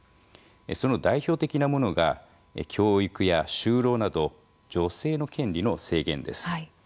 その代表的なものが教育や就労など女性の権利の制限です。